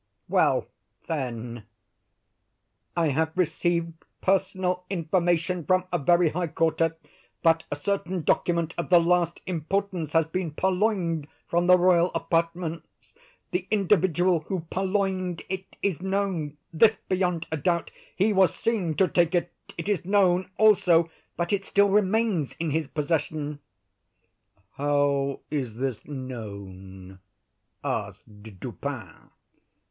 "Well, then; I have received personal information, from a very high quarter, that a certain document of the last importance has been purloined from the royal apartments. The individual who purloined it is known; this beyond a doubt; he was seen to take it. It is known, also, that it still remains in his possession." "How is this known?" asked Dupin.